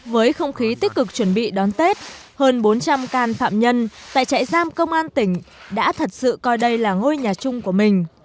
với không khí tích cực chuẩn bị đón tết hơn bốn trăm linh can phạm nhân tại trại giam công an tỉnh đã thật sự coi đây là ngôi nhà chung của mình